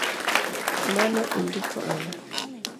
Mano indiko ang’o?